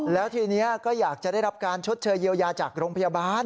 แล้วทีนี้ก็อยากจะได้รับการชดเชยเยียวยาจากโรงพยาบาล